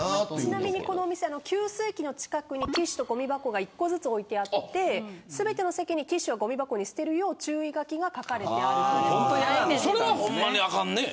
ちなみに、このお店給水機の近くにティッシュと、ごみ箱が１個ずつ置いてあって全ての席にティッシュはごみ箱に捨てるよう注意書きがそれは、ほんまにあかんね。